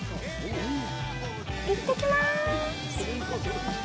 行ってきまーす！